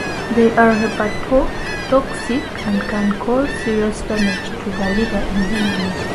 They are hepatotoxic and can cause serious damage to the liver in humans.